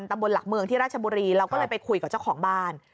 ตำบลหลักเมืองที่ราชบุรีเราก็เลยไปคุยกับเจ้าของบ้าน